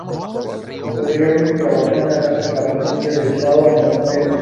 Posteriormente, trabajó en la Casa de la Provincia de Chaco en Buenos Aires.